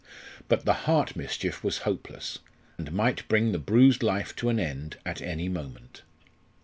But the heart mischief was hopeless, and might bring the bruised life to an end at any moment.